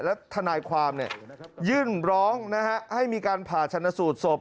และทนายความยื่นร้องให้มีการผ่าชนสูตรศพ